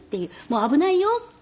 危ないよって。